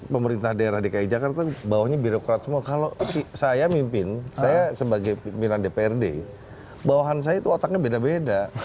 pemerintah daerah dki jakarta bawahnya birokrat semua kalau saya mimpin saya sebagai pimpinan dprd bawahan saya itu otaknya beda beda